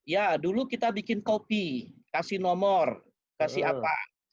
ya dulu kita bikin kopi kasih nomor kasih apa